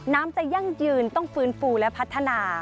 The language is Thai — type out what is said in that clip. น้ำจะยั่งยืนต้องฟื้นฟูและพัฒนา